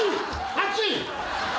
熱い！